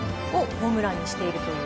ホームランにしています。